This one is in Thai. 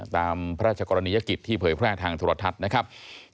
ตามพระราชกรณียกิจที่เผยแพร่ทางโทรทัศน์นะครับ